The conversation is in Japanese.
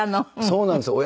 そうなんですよ。